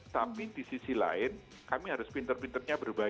tapi di sisi lain kami harus pinter pinter